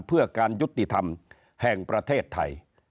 เพื่อการยุติธรรมแห่งประเทศไทย